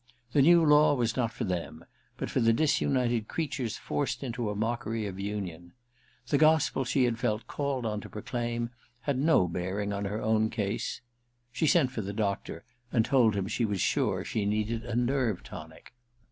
The new law was not for them, but for the disunited creatures forced into a mockery of union. The gospel she had felt called on to proclaim had no bearing on her own case. ... She sent for the doctor and told him she was sure she needed a nerve tonic.